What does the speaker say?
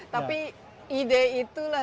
tapi ide itulah